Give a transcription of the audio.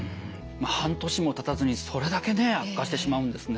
半年もたたずにそれだけね悪化してしまうんですね。